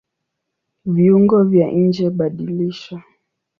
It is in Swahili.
Viungo vya njeBadilisha